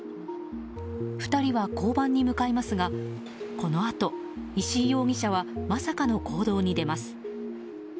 ２人は交番に向かいますがこのあと、石井容疑者はまさかの行動に出ます。